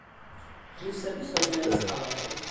ღირსების ორდენის კავალერი.